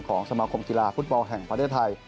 สมาคมกีฬาฟุตบอลแห่งประเทศไทย